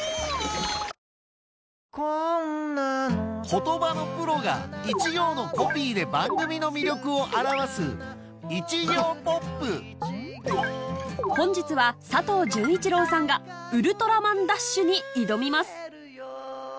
言葉のプロが一行のコピーで番組の魅力を表す本日は佐藤潤一郎さんが『ウルトラマンＤＡＳＨ』に挑みます